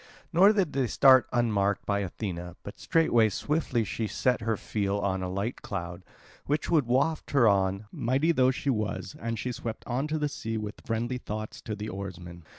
Nor did they start unmarked by Athena, but straightway swiftly she set her feel on a light cloud, which would waft her on, mighty though she was, and she swept on to the sea with friendly thoughts to the oarsmen.